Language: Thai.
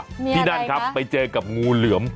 ที่นั่นครับไปเจอกับงูเหลือม